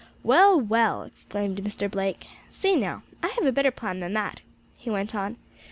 "Well, well!" exclaimed Mr. Blake. "Say, now, I have a better plan than that," he went on.